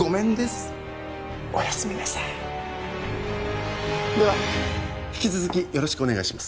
おやすみなさいでは引き続きよろしくお願いします